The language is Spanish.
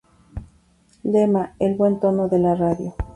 Lema: "El Buen Tono de la Radio".